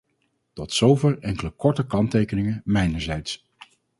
Tot zover enkele korte kanttekeningen mijnerzijds.